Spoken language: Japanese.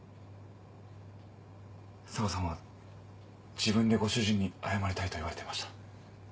紗和さんは自分でご主人に謝りたいと言われてました。